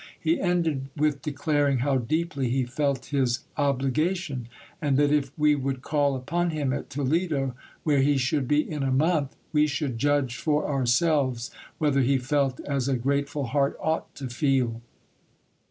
He ended with declaring how deeply he felt his obliga tion ; and that if we would call upon him at Toledo, where he should be in a month, we should judge for ourselves whether he felt as a grateful heart ought to feel.